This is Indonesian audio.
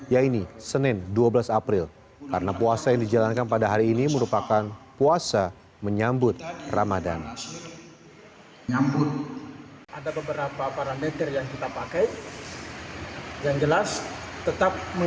yaitu senin dua belas april karena puasa yang dijalankan pada hari ini merupakan puasa menyambut ramadan